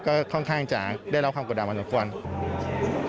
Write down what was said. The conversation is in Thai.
ก็ค่อนจะได้รับความกดดันมากจนกว่า